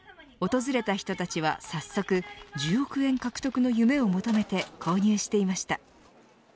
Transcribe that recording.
訪れた人たちは、早速１０億円獲得の夢を求めて購入していました。